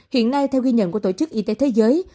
hiện nay theo ghi nhận của tổ chức y tế thế giới